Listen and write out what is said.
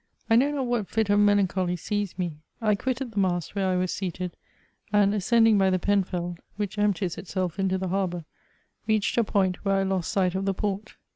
I know not what fit of melancholy seized me ; I quitted the mast where I was seated, and, ascending hy the Penfeld, which empties itself into the harhour, reached a point where I lost sight of the port.